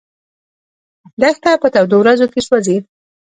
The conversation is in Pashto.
دښته په تودو ورځو کې سوځي.